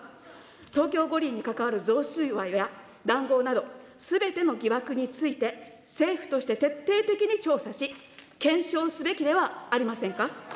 東京五輪に関わる贈収賄や談合など、すべての疑惑について、政府として徹底的に調査し、検証すべきではありませんか。